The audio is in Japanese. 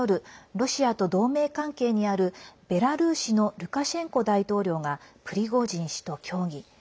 ロシアと同盟関係にあるベラルーシのルカシェンコ大統領がプリゴジン氏と協議。